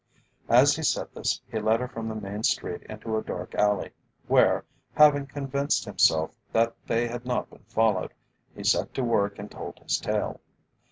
As he said this, he led her from the main street into a dark alley, where, having convinced himself that they had not been followed, he set to work and told his tale.